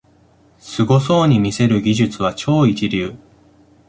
すごそうに見せる技術は超一流